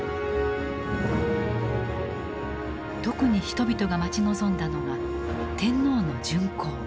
特に人々が待ち望んだのが天皇の巡幸。